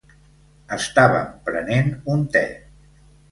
Estàvem prenent un te.